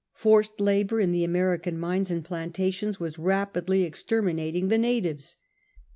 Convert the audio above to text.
Forced labour in the American mines and plantations was rapidly extermin ating the natives.